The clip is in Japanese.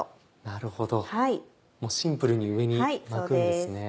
なるほどもうシンプルに上に巻くんですね。